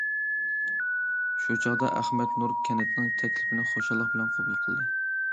شۇ چاغدا ئەخمەت نۇر كەنتنىڭ تەكلىپىنى خۇشاللىق بىلەن قوبۇل قىلدى.